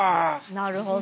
なるほど。